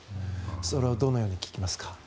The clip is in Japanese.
それをどのように聞きますか。